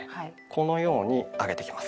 このように上げていきます。